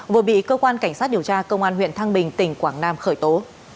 vừa bị cơ quan cảnh sát điều tra công an huyện thăng bình tỉnh quảng nam khởi tố